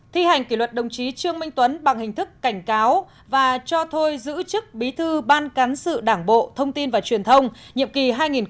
thi hành kỷ luật đồng chí trương minh tuấn bằng hình thức cảnh cáo và cho thôi giữ chức bí thư ban cán sự đảng bộ thông tin và truyền thông nhiệm kỳ hai nghìn một mươi một hai nghìn một mươi sáu